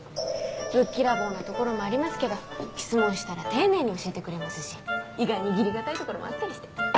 ぶっきらぼうなところもありますけど質問したら丁寧に教えてくれますし意外に義理堅いところもあったりして。